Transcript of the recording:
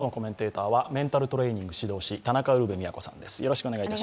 今日のコメンテーターはメンタルトレーニング指導士田中ウルヴェ京さんです。